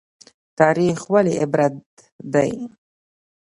تاریخ ولې عبرت دی؟